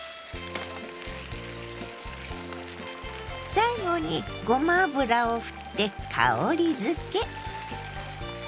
最後にごま油をふって香りづけ。